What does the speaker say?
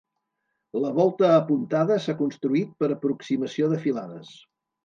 La volta apuntada s'ha construït per aproximació de filades.